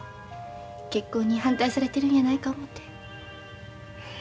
結婚に反対されてるんやないか思て。